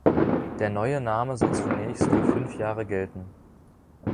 Der neue Name soll zunächst für fünf Jahre gelten.